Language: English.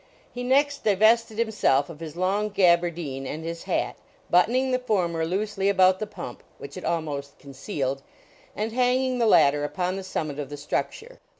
He next divested himself of his long gaberdine and his hat, buttoning the former loosely about the pump, which it almost concealed, and hanging the latter upon the summit of the structure.